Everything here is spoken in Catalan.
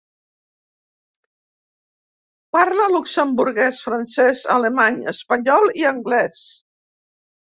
Parla luxemburguès, francès, alemany, espanyol i anglès.